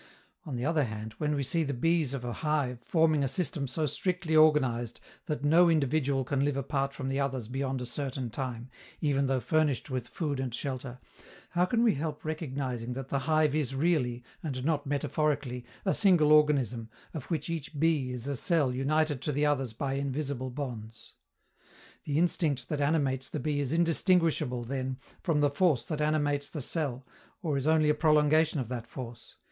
On the other hand, when we see the bees of a hive forming a system so strictly organized that no individual can live apart from the others beyond a certain time, even though furnished with food and shelter, how can we help recognizing that the hive is really, and not metaphorically, a single organism, of which each bee is a cell united to the others by invisible bonds? The instinct that animates the bee is indistinguishable, then, from the force that animates the cell, or is only a prolongation of that force.